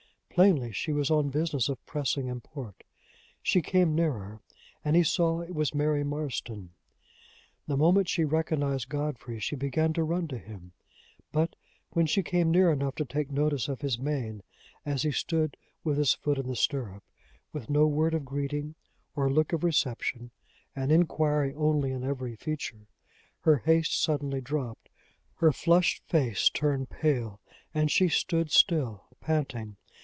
Plainly she was on business of pressing import. She came nearer, and he saw it was Mary Marston. The moment she recognized Godfrey, she began to run to him; but, when she came near enough to take notice of his mien, as he stood with his foot in the stirrup, with no word of greeting or look of reception, and inquiry only in every feature, her haste suddenly dropped, her flushed face turned pale, and she stood still, panting.